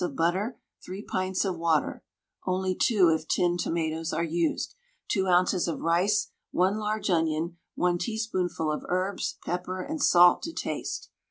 of butter, 3 pints of water (only 2 if tinned tomatoes are used), 2 oz. of rice, 1 large onion, 1 teaspoonful of herbs, pepper and salt to taste.